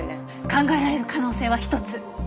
考えられる可能性は１つ。